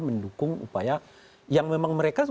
mendukung upaya yang memang mereka